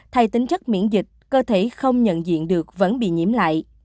thay tính chất miễn dịch cơ thể không nhận diện được vẫn bị nhiễm lại